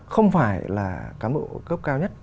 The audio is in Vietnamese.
không phải là cán bộ cấp cao nhất